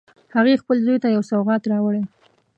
هغې خپل زوی ته یو سوغات راوړی